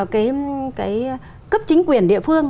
cái cấp chính quyền địa phương